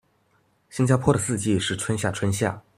新加坡的四季是春夏春夏